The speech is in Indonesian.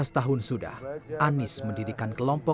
dua belas tahun sudah anis mendidikan kelompok